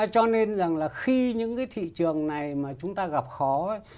cho nên rằng là khi những cái thị trường này mà chúng ta gặp khó